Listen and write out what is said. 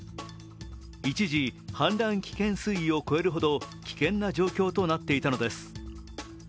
一時、氾濫危険水位を超えるほど危険な状況となっていたのです。